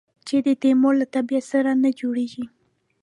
چې د تیمور له طبیعت سره نه جوړېږي.